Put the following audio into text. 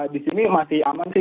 di sini masih aman sih